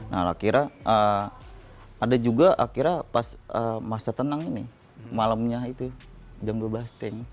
nah akhirnya ada juga akhirnya pas masa tenang ini malamnya itu jam berbasting